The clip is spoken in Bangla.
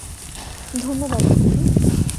ধন্যবাদ, খুকী।